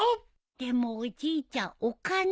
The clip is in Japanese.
でもおじいちゃんお金。